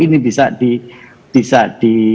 ini bisa di